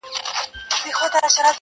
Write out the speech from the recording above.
د شهیدانو هدیرې جوړي سي-